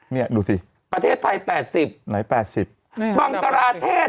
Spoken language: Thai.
นี่ดูสิประเทศไทย๘๐บังการาเทศ๘๑